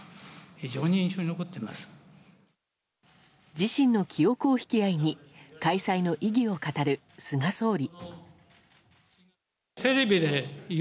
自身の記憶を引き合いに開催の意義を語る菅総理。